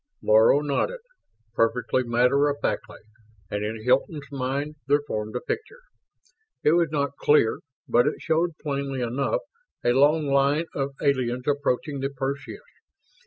Laro nodded, perfectly matter of factly, and in Hilton's mind there formed a picture. It was not clear, but it showed plainly enough a long line of aliens approaching the Perseus.